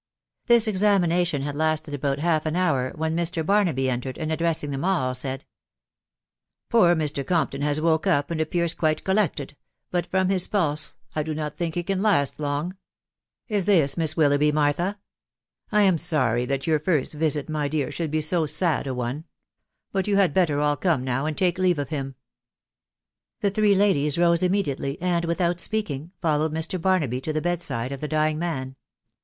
This examination had lasted about half an hour, when Mr. Barnaby entered, and addressing them all, said, " Poor Mr. Compton has woke up, and appears quite collected, but from his pulse, I do not think he can last long .... Is this Miss Willoughby, Martha ?.... I am sorry that your first visit, my dear, should be so sad a one ;.•.. but you had better all come now, and take leave of him." The three ladies rose immediately, and, without speaking, followed Mr. Barnaby to the bed side of the dying man.